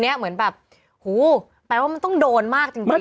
ใช่ไหมแบบฝันคนก่อนก็คบนานยังไงกันหลายคน